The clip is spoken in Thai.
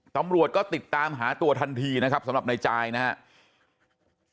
ตำรวจก็ติดตามหาตัวทันทีนะครับสำหรับนายจายนะครับ